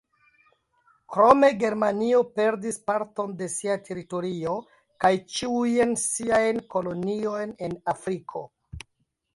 Krome Germanio perdis parton de sia teritorio kaj ĉiujn siajn koloniojn en Afriko.